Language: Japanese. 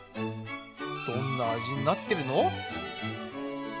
どんな味になってるの？